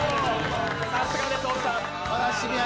さすがです、大木さん。